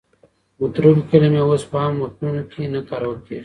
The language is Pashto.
متروکې کلمې اوس په عامو متنونو کې نه کارول کېږي.